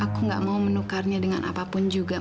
aku tidak mau menukarnya dengan apapun juga mas